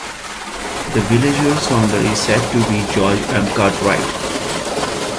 The village's founder is said to be George M. Cartwright.